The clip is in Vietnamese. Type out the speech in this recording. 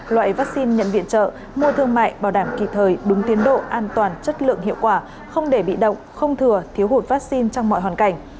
loại vaccine nhận viện trợ mua thương mại bảo đảm kịp thời đúng tiến độ an toàn chất lượng hiệu quả không để bị động không thừa thiếu hụt vaccine trong mọi hoàn cảnh